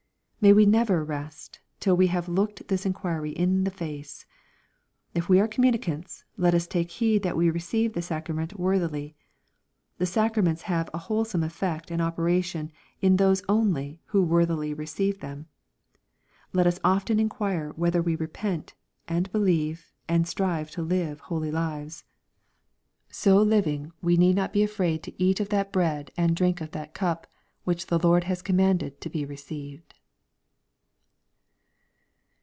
May we never rest, till we have looked this inquiry in the face ! If we are commu nicants, let us take heed that we receive the sacrament worthily. " The sacraments have a wholesome effect and operation in those only who worthily receive them." Let us often enquire whether we repent, and believe, and Btrive to live holy lives. So living we need not be afraid 100 EXPOSITORY THOUGHTS. to eat of that bread and drink of that cup, which th^ Lord has commanded to be received.